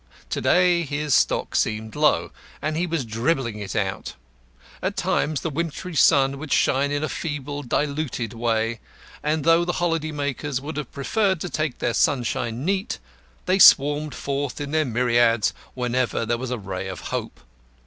To day his stock seemed low, and he was dribbling it out; at times the wintry sun would shine in a feeble, diluted way, and though the holiday makers would have preferred to take their sunshine neat, they swarmed forth in their myriads whenever there was a ray of hope.